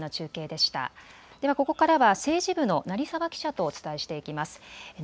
ではここからは政治部の成澤記者とお伝えしていきます。